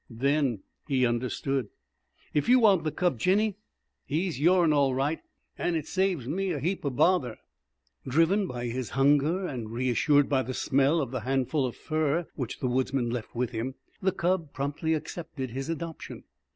Then he understood. "If you want the cub, Jinny, he's your'n all right. An' it saves me a heap o' bother." II Driven by his hunger, and reassured by the smell of the handful of fur which the woodsman left with him, the cub promptly accepted his adoption.